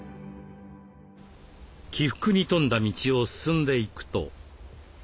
起伏に富んだ道を進んでいくと。